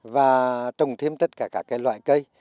và trồng thêm tất cả các loại cây